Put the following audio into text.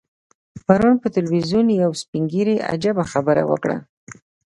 پرون پر ټلویزیون یو سپین ږیري عجیبه خبره وکړه.